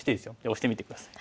押してみて下さい。